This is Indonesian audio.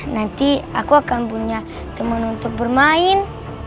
nanti aku akan punya teman untuk bermain